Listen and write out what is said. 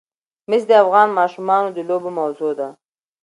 مس د افغان ماشومانو د لوبو موضوع ده.